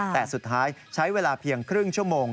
แต่สุดท้ายใช้เวลาเพียงครึ่งชั่วโมง